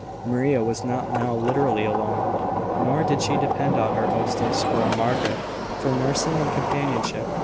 Maria was not now literally alone; nor did she depend on her hostess or on Margaret for nursing and companionship.